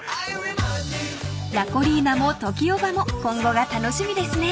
［ラコリーナもＴＯＫＩＯ−ＢＡも今後が楽しみですね］